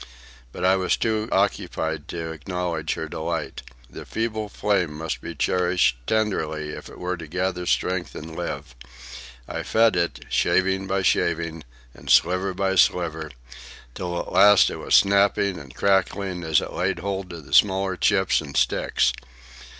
But I was too occupied to acknowledge her delight. The feeble flame must be cherished tenderly if it were to gather strength and live. I fed it, shaving by shaving, and sliver by sliver, till at last it was snapping and crackling as it laid hold of the smaller chips and sticks.